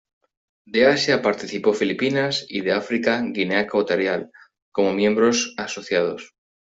De Asia participó Filipinas y de África Guinea Ecuatorial como miembros asociados.